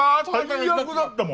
最悪だったもん。